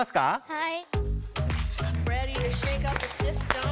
はい。